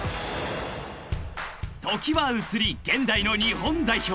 ［時は移り現代の日本代表］